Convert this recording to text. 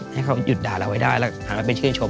ให้อยู่ด่าเราได้หั่นไปชื่นชม